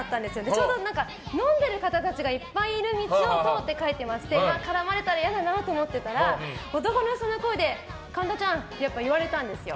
ちょうど、飲んでる方たちがいっぱいいる道を通って帰っていまして絡まれたら嫌だなと思ってたら、男の人の声で神田ちゃんって言われたんですよ。